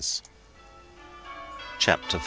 CHAPTER V.